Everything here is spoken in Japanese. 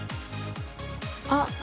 あっ！